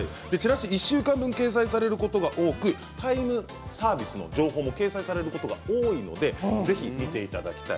１週間分、掲載されることが多くタイムサービスの情報も掲載されることが多いのでぜひ見ていただきたい。